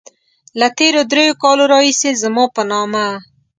له تېرو دريو کالو راهيسې زما په نامه.